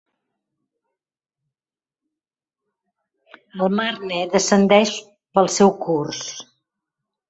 El Marne descendeix pel seu curs.